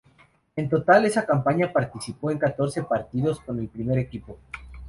En total, esa campaña participó en catorce partidos con el primer equipo.